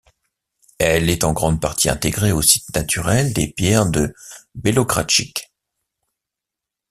Elle est en grande partie intégrée au site naturel des Pierres de Belogradchik.